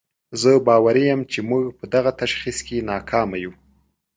زه باوري یم چې موږ په دغه تشخیص کې ناکامه یو.